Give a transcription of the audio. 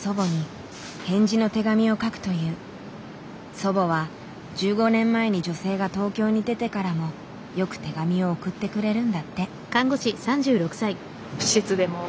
祖母は１５年前に女性が東京に出てからもよく手紙を送ってくれるんだって。